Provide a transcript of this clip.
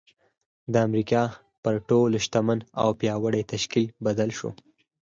د امريکا پر تر ټولو شتمن او پياوړي تشکيل بدل شو.